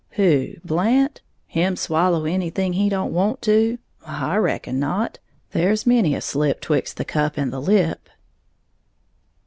"Who, Blant? Him swallow anything he don't want to? I reckon not. There's many a slip 'twixt the cup and the lip."